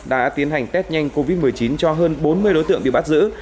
đã tiến hành test nhanh covid một mươi chín cho hơn bốn mươi đối tượng bị bắt giữ